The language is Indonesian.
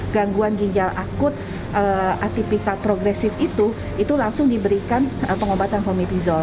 gangguan ginjal akut atipikat progresif itu itu langsung diberikan pengobatan komitizol